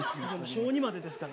小２までですから。